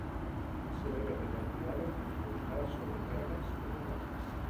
Se debe tener cuidado en evitar sobrecargas de trabajo.